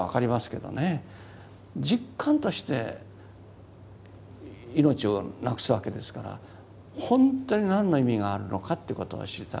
実感として命を亡くすわけですから本当に何の意味があるのかっていうことを知りたかった。